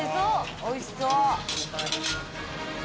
おいしそう！